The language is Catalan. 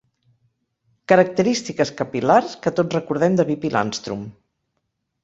Característiques capil·lars que tots recordem de Pipi Landstrum.